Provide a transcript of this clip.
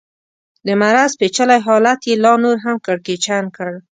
د مرض پېچلی حالت یې لا نور هم کړکېچن کړ.